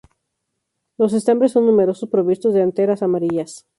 Los estambres son numerosos, provistos de anteras amarillas.